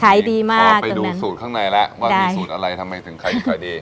ขายดีมากพอไปดูสูตรข้างในแล้วว่ามีสูตรอะไรทำไมถึงขายดิบขายดี